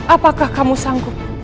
apakah kamu sanggup